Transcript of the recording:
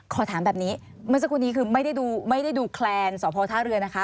ขอถามแบบนี้เมื่อสักครู่นี้คือไม่ได้ดูไม่ได้ดูแคลนสพท่าเรือนะคะ